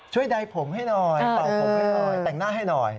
ใดผมให้หน่อยเป่าผมให้หน่อยแต่งหน้าให้หน่อย